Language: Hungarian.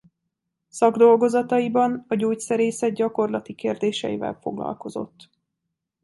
Szakdolgozataiban a gyógyszerészet gyakorlati kérdéseivel foglalkozott.